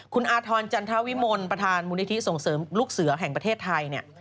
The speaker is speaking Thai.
คุณอาทรจันทวิมลประธานมูลนิธิส่งเสริมลูกเสือแห่งประเทศไทยเนี่ย